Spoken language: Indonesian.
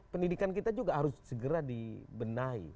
pendidikan kita juga harus segera dibenahi